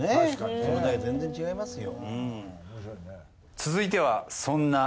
それで全然違いますよ。